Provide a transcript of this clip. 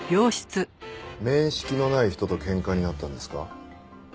面識のない人と喧嘩になったんですか？